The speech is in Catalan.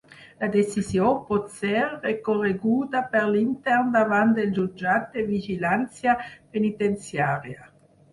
La decisió pot ser recorreguda per l’intern davant del jutjat de vigilància penitenciària.